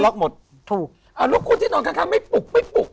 ล๊อคหมดถูกอ่าลูกคนที่นอนข้างข้างไม่ปุกไม่ปุก